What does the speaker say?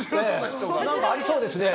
何かありそうですね。